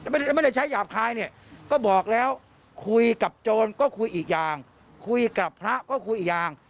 ไม่ได้ใช้หยาบคายเนี่ยก็บอกแล้วคุยกับโจรก็คุยอีกอย่างคุยกับพระก็คุยอีกอย่าง